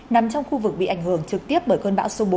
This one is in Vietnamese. nằm trong khu vực bị ảnh hưởng trực tiếp bởi cơn bão số bốn